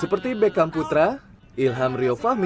seperti bekam putra ilham riyofahmi